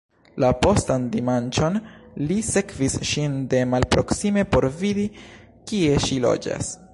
La postan dimanĉon, li sekvis ŝin de malproksime por vidi, kie ŝi loĝas.